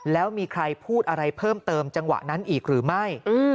แล้วมีใครพูดอะไรเพิ่มเติมจังหวะนั้นอีกหรือไม่